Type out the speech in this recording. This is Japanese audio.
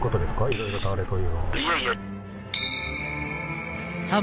いろいろとあれというのは。